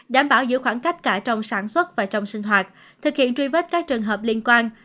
đảm bảo giữ khoảng cách cả trong sản xuất và trong sinh hoạt thực hiện truy vết các trường hợp liên quan